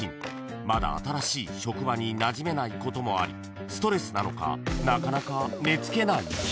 ［まだ新しい職場になじめないこともありストレスなのかなかなか寝付けない日々］